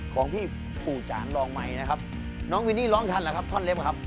ของพี่ปู่จานรองใหม่นะครับน้องวินนี่ร้องทันหรือครับท่อนเล็บครับ